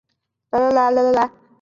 都是我脚踏实地赚来的辛苦钱